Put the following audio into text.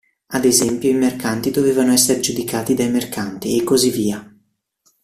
Ad esempio, i mercanti dovevano essere giudicati dai mercanti e così via.